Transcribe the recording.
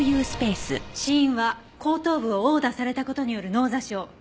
死因は後頭部を殴打された事による脳挫傷。